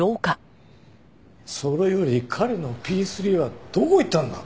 それより彼のＰⅢはどこいったんだ？